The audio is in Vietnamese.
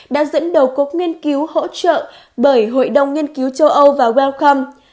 đã dẫn đầu cốc nghiên cứu hỗ trợ bởi hội đồng nghiên cứu châu âu và wellcome